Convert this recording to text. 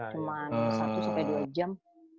cuman satu dua jam